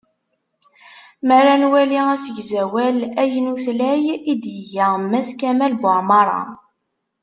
Mi ara nwali asegzawal aynutlay i d-iga Mass kamel Buεmara.